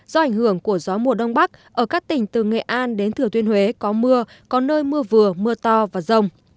do ảnh hưởng của gió mùa đông bắc ở các tỉnh từ nghệ an đến thừa thiên huế có mưa có nơi mưa vừa mưa to và rông